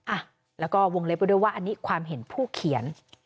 อ่ะแล้วก็วงเล็บไว้ด้วยว่าอันนี้ความเห็นผู้เขียน